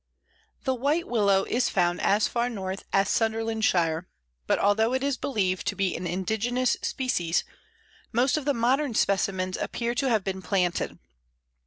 The White Willow is found as far north as Sutherlandshire, but although it is believed to be an indigenous species, most of the modern specimens appear to have been planted.